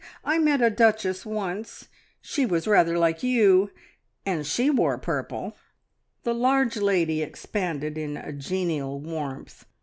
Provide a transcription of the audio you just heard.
I met a duchess once she was rather like you and she wore purple!" The large lady expanded in a genial warmth.